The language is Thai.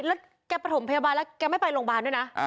แล้วแกประถมพยาบาลแล้วแกไม่ไปโรงพยาบาลด้วยนะ